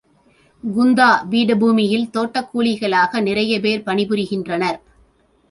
குந்தா பீட பூமியில், தோட்டக் கூலிகளாக நிறைய பேர் பணிபுரிகின்றனர்.